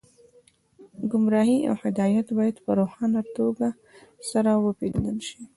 ګمراهي او هدایت باید په روښانه توګه سره وپېژندل شي